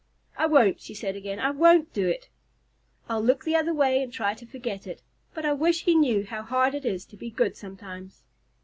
"I won't!" she said again. "I won't do it. I'll look the other way and try to forget it, but I wish he knew how hard it is to be good sometimes."